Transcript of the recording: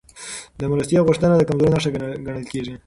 د مرستې غوښتنه د کمزورۍ نښه ګڼل کېږي.